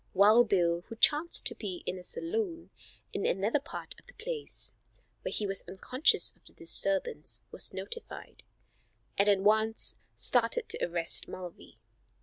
Wild Bill, who chanced to be in a saloon in another part of the place, where he was unconscious of the disturbance, was notified, and at once started to arrest Mulvey.